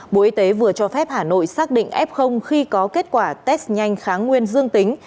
bộ y tế vừa cho phép hà nội xác định f khi có kết quả test nhanh kháng nguyên dương tính